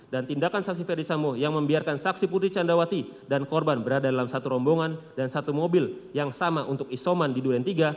dan tindakan saksi ferdisambu yang membiarkan saksi putri candrawati dan korban berada dalam satu rombongan dan satu mobil yang sama untuk isoman di duren tiga